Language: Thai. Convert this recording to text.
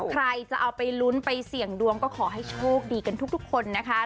ใครจะเอาไปลุ้นไปเสี่ยงดวงก็ขอให้โชคดีกันทุกคนนะคะ